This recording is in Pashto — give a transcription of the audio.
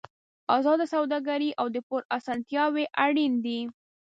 ازاده سوداګري او د پور اسانتیاوې اړین دي.